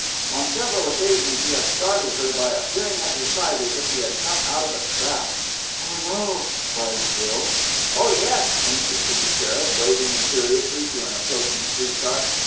On several occasions he had startled her by appearing at her side as if he had come up out of a trap. "Oh, no!" cried Jill. "Oh, yeth!" insisted the cherub, waving imperiously to an approaching street car.